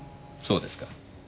そうですか。